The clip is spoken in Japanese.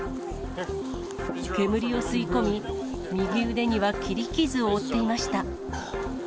煙を吸い込み、右腕には切り傷を負っていました。